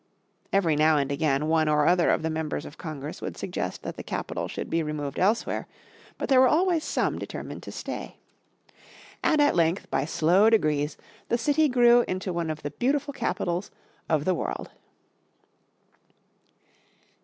Every now and again one or other of the members of Congress would suggest that the capital should be removed elsewhere, but there were always some determined to stay. And at length by slow degrees the city grew into one of the beautiful capitals of the world.